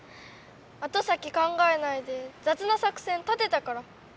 後先考えないでざつな作戦立てたから。